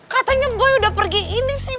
katanya boy udah pergi ini sih